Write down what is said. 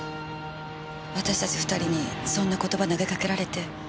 私たち２人にそんな言葉投げかけられて。